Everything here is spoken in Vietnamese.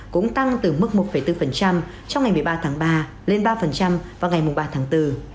cũng tăng từ mức một bốn trong ngày một mươi ba tháng ba lên ba vào ngày ba tháng bốn